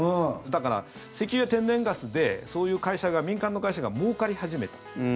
だから、石油や天然ガスでそういう会社が、民間の会社がもうかり始めた。